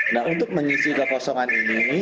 nah untuk mengisi kekosongan ini